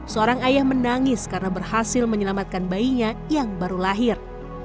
seorang ayah menangis karena berhasil menyelamatkan bayinya yang baru lahir